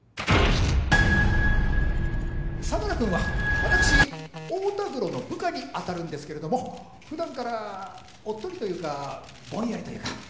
相良君は私太田黒の部下に当たるんですけれども普段からおっとりというかぼんやりというか。